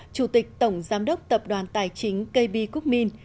chủ tịch tổng giám đốc tập đoàn tài chính kb quốc minh